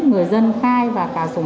người dân khai và cả sổ máy sổ cung